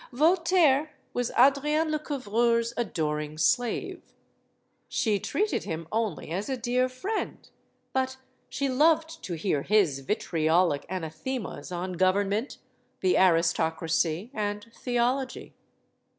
Voltaire was Adrienne Lecouvreur's adoring slave. She treated him only as a dear friend; but she loved to hear his vitriolic anathemas on government, the aristocracy, and theology.